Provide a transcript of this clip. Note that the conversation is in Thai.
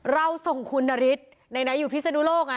เราส่งคุณนาริศในนั้นอยู่พิสนุโลกไง